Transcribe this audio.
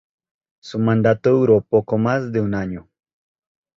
Su mandato duró poco más de un año.